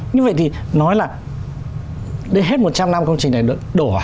như vậy thì nói là đến hết một trăm năm công trình này đổ à